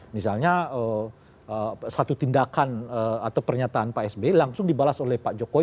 misalnya satu tindakan atau pernyataan pak sby langsung dibalas oleh pak jokowi